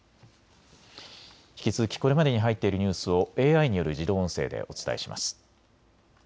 引き続きこれまでに入っているニュースをＡＩによる自動音声でお伝えします。